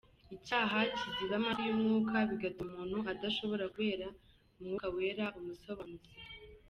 Icyaha kiziba amatwi y’Umwuka bigatuma umuntu adashobora kubera Umwuka Wera umusobanuzi.